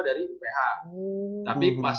dari uph tapi pas